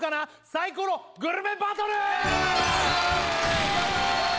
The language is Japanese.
サイコログルメバトルイエーイ！